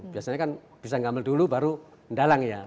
biasanya kan bisa gamel dulu baru dalang ya